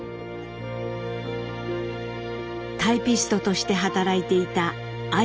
タイピストとして働いていた綾智枝子。